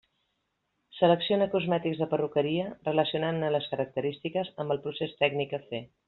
Selecciona cosmètics de perruqueria relacionant-ne les característiques amb el procés tècnic a fer.